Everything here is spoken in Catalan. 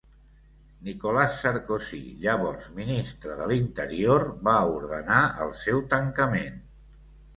Nicolas Sarkozy, llavors ministre de l'Interior, va ordenar el seu tancament.